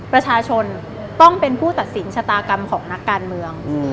ประชาชนต้องเป็นผู้ตัดสินชะตากรรมของนักการเมือง